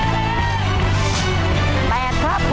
กล่อข้าวหลามใส่กระบอกภายในเวลา๓นาที